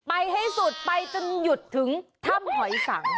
ให้สุดไปจนหยุดถึงถ้ำหอยสัง